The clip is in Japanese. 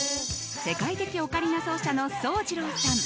世界的オカリナ奏者の宗次郎さん。